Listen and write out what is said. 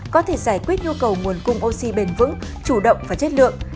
có thể giải quyết nhu cầu nguồn cung oxy bền vững chủ động và chất lượng